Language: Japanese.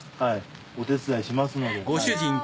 お手伝いしますので。